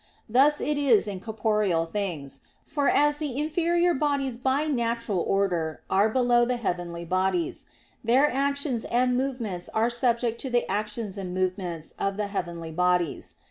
Thus it is in corporeal things, for as the inferior bodies by natural order are below the heavenly bodies, their actions and movements are subject to the actions and movements of the heavenly bodies.